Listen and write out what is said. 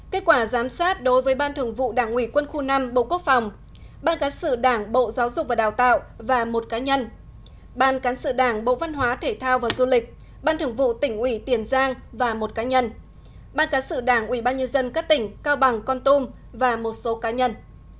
kết quả giám sát đối với ban thường vụ đảng ủy quân khu năm bộ quốc phòng ban cán sự đảng bộ giáo dục và đào tạo và một cá nhân ban cán sự đảng bộ văn hóa thể thao và du lịch ban thường vụ tỉnh ủy tiền giang và một cá nhân ban cán sự đảng ủy ban nhân dân các tỉnh cao bằng con tum và một số cá nhân